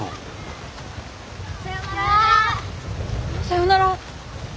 さよなら。